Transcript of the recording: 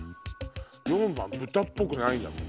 ４番豚っぽくないんだもん。